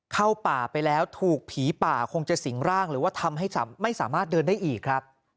เข้าป่าไปแล้วถูกผีป่าคงจะสิงร่างหรือว่าทำให้ไม่สามารถเดินได้อีกครับ